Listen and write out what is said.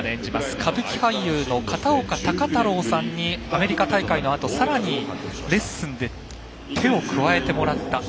歌舞伎俳優の方にアメリカ大会のあとさらにレッスンで手を加えてもらった。